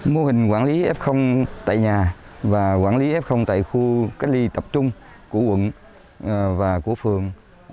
mô hình quản lý f tại nhà và quản lý f tại khu cách ly tập trung của quận và của phường